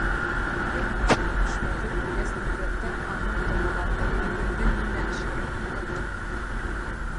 Эй батшам, шуларҙы күргәс, нәфрәттән аңым томаланды, үҙемдең нимә эшләгәнемде лә белмәнем.